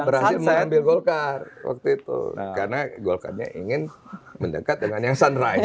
berhasil mengambil golkar waktu itu karena golkarnya ingin mendekat dengan yang sunrise